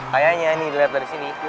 kayaknya ini dilihat dari sini